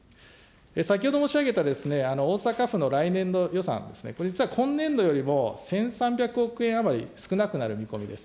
先ほど申し上げた大阪府の来年度予算、これ実は、今年度よりも１３００億円余り少なくなる見込みです。